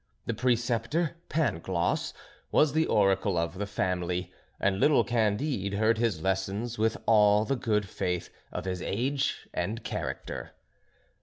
The Preceptor Pangloss was the oracle of the family, and little Candide heard his lessons with all the good faith of his age and character.